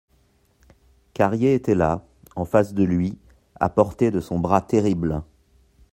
Carrier était là, en face de lui, à portée de son bras terrible.